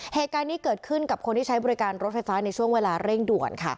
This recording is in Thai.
เหตุการณ์นี้เกิดขึ้นกับคนที่ใช้บริการรถไฟฟ้าในช่วงเวลาเร่งด่วนค่ะ